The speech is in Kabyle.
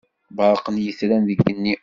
Berrqen yitran deg igenni.